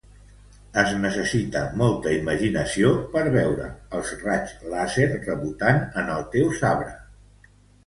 Es necessita molta imaginació per veure els raigs làser rebotant en el teu sabre.